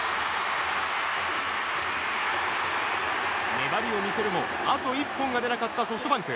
粘りを見せるも、あと１本が出なかったソフトバンク。